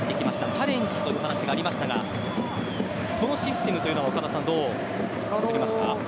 チャレンジというお話がありましたがこのシステムというのはどう映りますか？